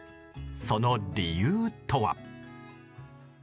その理由とは。